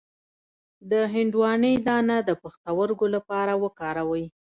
د هندواڼې دانه د پښتورګو لپاره وکاروئ